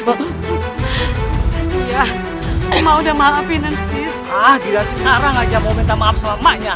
ah tidak sekarang aja mau minta maaf sama emaknya